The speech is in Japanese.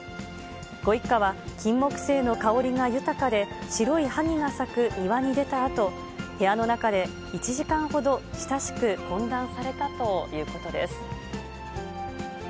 ご一家は、きんもくせいの香りが豊かで、白いはぎが咲く庭に出たあと、部屋の中で１時間ほど親しく懇談されたということです。